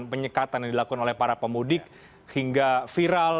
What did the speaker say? penyekatan yang dilakukan oleh para pemudik hingga viral